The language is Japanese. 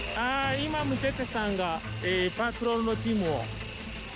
今ムテテさんがパトロールのチームを。